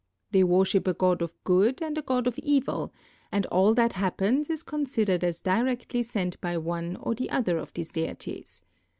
They worship a god of <;ood and a jiod of evil, and all that happens is consid ered as directly sent by one or the other of these deities.